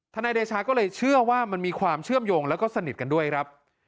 นายเดชาก็เลยเชื่อว่ามันมีความเชื่อมโยงแล้วก็สนิทกันด้วยครับ